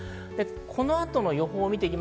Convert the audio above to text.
この後の予報です。